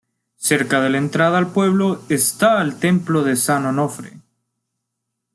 Cerca de la entrada al pueblo está el templo de San Onofre.